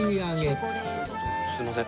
すいません。